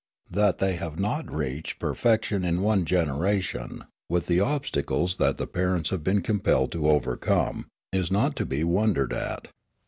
That they have not reached perfection in one generation, with the obstacles that the parents have been compelled to overcome, is not to be wondered at.